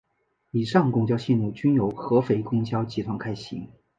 以上公交线路均由合肥公交集团开行。